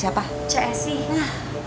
waktu terakhiran terbeda dari siapa